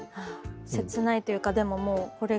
切ないというかでももうこれが。